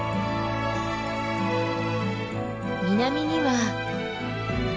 南には。